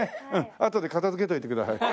あとで片付けといてください。